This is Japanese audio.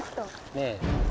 ねえ。